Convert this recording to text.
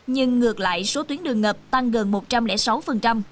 nhưng ngược lại số tuyến đường ngập tăng gần một trăm linh sáu